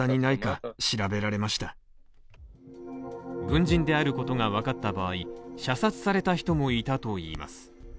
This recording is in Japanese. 軍人であることが分かった場合、射殺された人もいたといいます。